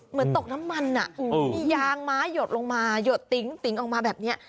เหมือนตกน้ำมันมียางไม้หยดลงมาหยดติ๋งติ๋งออกมาแบบนี้